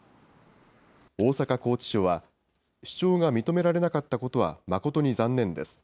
大阪拘置所は、主張が認められなかったことは誠に残念です。